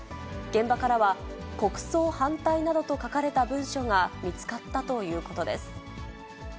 現場からは国葬反対などと書かれた文書が見つかったということです。